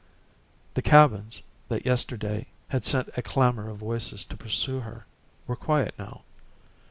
The cabins, that yesterday had sent a clamor of voices to pursue her, were quiet now.